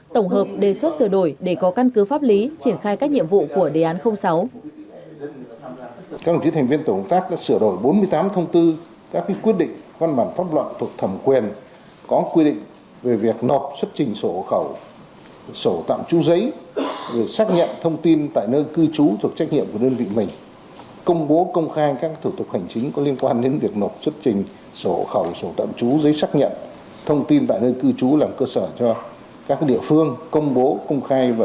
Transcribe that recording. tổng hợp đề xuất sửa đổi để có căn cứ pháp lý triển khai các nhiệm vụ của đề án sáu